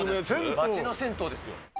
町の銭湯ですよ。